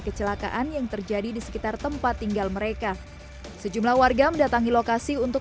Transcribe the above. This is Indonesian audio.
kecelakaan yang terjadi di sekitar tempat tinggal mereka sejumlah warga mendatangi lokasi untuk